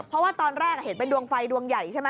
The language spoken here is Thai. เพราะว่าตอนแรกเห็นเป็นดวงไฟดวงใหญ่ใช่ไหม